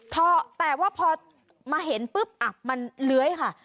ท่อแต่ว่าพอมาเห็นปุ๊บมันเลื้อยค่ะ